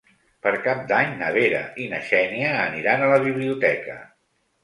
Per Cap d'Any na Vera i na Xènia aniran a la biblioteca.